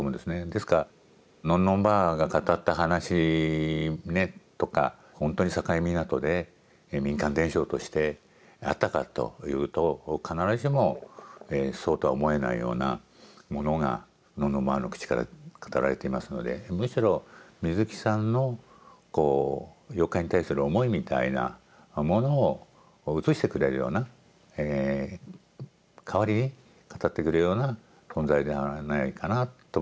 ですからのんのんばあが語った話ねとか本当に境港で民間伝承としてあったかというと必ずしもそうとは思えないようなものがのんのんばあの口から語られていますのでむしろ水木さんのこう妖怪に対する思いみたいなものを映してくれるような代わりに語ってくれるような存在ではないかなと僕は思いますね。